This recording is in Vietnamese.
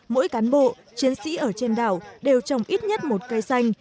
mỗi cán bộ chiến sĩ ở trên đảo đều trồng ít nhất một cây xanh